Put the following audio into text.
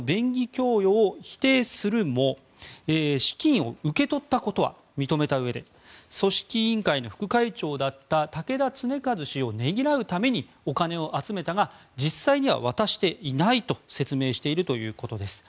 供与を否定するも資金を受け取ったことは認めたうえで組織委員会の副会長だった竹田恒和氏をねぎらうためにお金を集めたが実際には渡していないと説明しているということです。